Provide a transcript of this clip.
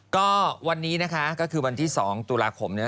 ก็วันนี้นะคะก็คือวันที่๒ตุลาคมเนี่ย